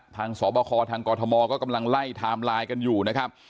สบคทางกรทมก็กำลังไล่ไทม์ไลน์กันอยู่นะครับ